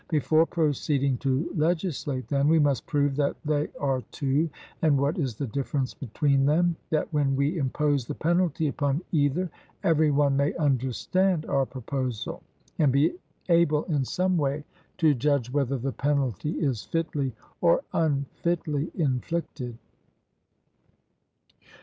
Before proceeding to legislate, then, we must prove that they are two, and what is the difference between them, that when we impose the penalty upon either, every one may understand our proposal, and be able in some way to judge whether the penalty is fitly or unfitly inflicted.